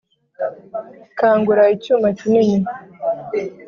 kangura icyuma cyinini,